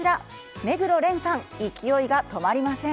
目黒蓮さん、勢いが止まりません。